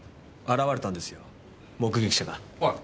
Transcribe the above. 現れたんですよ目撃者が。おい！